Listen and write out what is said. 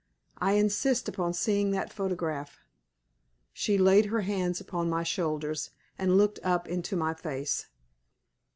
I insist upon seeing that photograph." She laid her hands upon my shoulders, and looked up into my face.